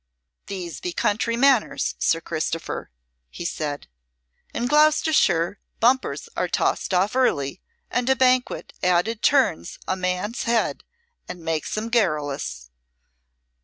"These be country manners, Sir Christopher," he said. "In Gloucestershire bumpers are tossed off early, and a banquet added turns a man's head and makes him garrulous."